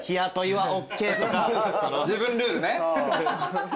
自分ルールね。